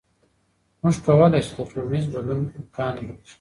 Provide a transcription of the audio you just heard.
موږ کولی شو د ټولنیز بدلون امکان وپېژنو.